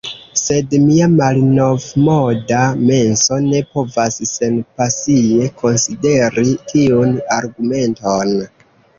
Sed mia malnovmoda menso ne povas senpasie konsideri tiun argumenton.